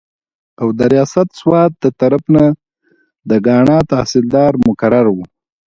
او د رياست سوات دطرف نه د کاڼا تحصيلدار مقرر وو